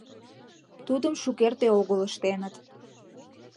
Тудым шукерте огыл ыштеныт...